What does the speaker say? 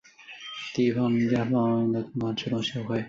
地方民间放送共同制作协议会。